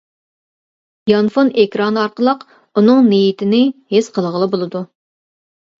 يانفون ئېكرانى ئارقىلىق ئۇنىڭ نىيىتىنى ھېس قىلغىلى بولىدۇ.